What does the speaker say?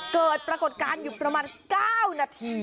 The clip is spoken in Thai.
เกิดปรากฏการณ์อยู่ประมาณ๙นาที